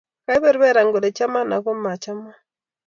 Kaiberberan kole chaman aku machaman